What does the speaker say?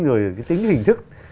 rồi cái tính hình thức